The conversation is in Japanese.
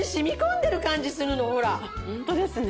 ホントですね。